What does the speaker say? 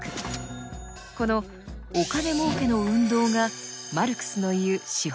このお金儲けの運動がマルクスの言う「資本」です。